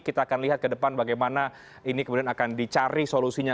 kita akan lihat ke depan bagaimana ini kemudian akan dicari solusinya